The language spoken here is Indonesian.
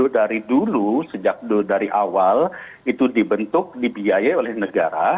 dari dulu sejak dari awal itu dibentuk dibiayai oleh negara